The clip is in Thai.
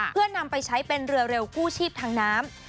เพื่อนำไปใช้เป็นเรือเร็วกู้ชีพทางน้ำ